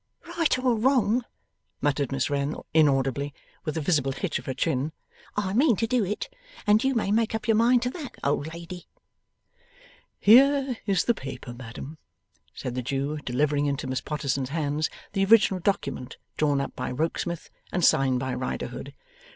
'Right or wrong,' muttered Miss Wren, inaudibly, with a visible hitch of her chin, 'I mean to do it, and you may make up your mind to THAT, old lady.' 'Here is the paper, madam,' said the Jew, delivering into Miss Potterson's hands the original document drawn up by Rokesmith, and signed by Riderhood.